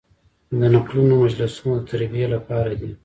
د نکلونو مجلسونه د تربیې لپاره دي.